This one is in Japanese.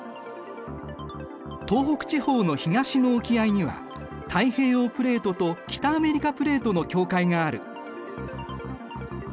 東北地方の東の沖合には太平洋プレートと北アメリカプレートの境界がある。